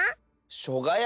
「しょがや」？